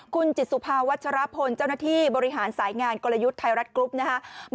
คุณจิตสุภาวัชรพลเจ้าหน้าที่บริหารสายงานกลยุทธ์ไทยรัฐกรุ๊ปนะครับ